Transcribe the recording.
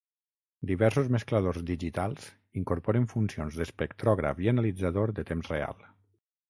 Diversos mescladors digitals incorporen funcions d'espectrògraf i analitzador de temps real.